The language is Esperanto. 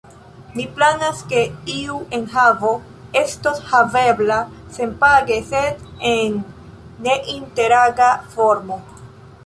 Ni planas, ke iu enhavo estos havebla senpage, sed en ne-interaga formo.